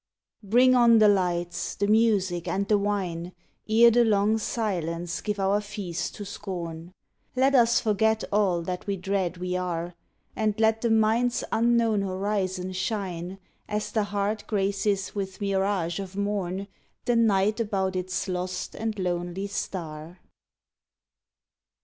Bring on the lights, the music and the wine, Ere the long silence give our feast to scorn ! Let us forget all that we dread we are, And let the mind s unknown horizon shine, As the heart graces with mirage of morn The night about its lost and lonely star.